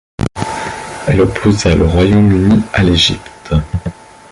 Elle opposa le Royaume-Uni à l'Egypte.